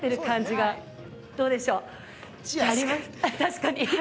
◆確かに。